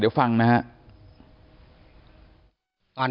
เดี๋ยวฟังนะครับ